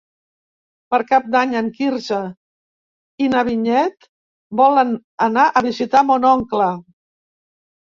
Per Cap d'Any en Quirze i na Vinyet volen anar a visitar mon oncle.